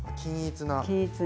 均一な。